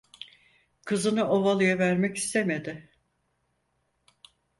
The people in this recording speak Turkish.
Kızını ovalıya vermek istemedi.